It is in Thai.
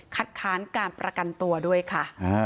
ค้านการประกันตัวด้วยค่ะ